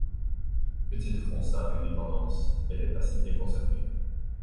Petite roça indépendance, elle est assez bien conservée.